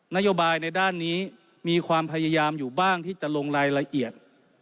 นโยบายในด้านนี้มีความพยายามอยู่บ้างที่จะลงรายละเอียด